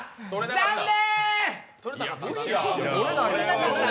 残念。